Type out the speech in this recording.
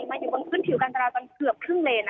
มาถึงบริงคืนถือการจราตรนเกือบครึ่งเลน